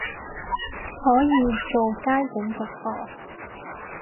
可以做街景直播